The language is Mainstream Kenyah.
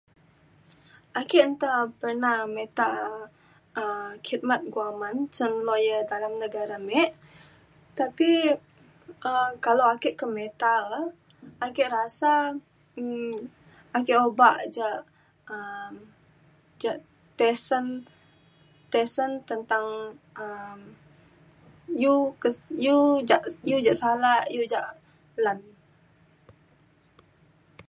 ake nta perna mita um khidmat guaman cen lawyer dalem negara me tapi um kalau ake ke mita e ake rasa um ake obak ja um ja tisen tisen tentang um iu ke- um iu ja salak iu ja lan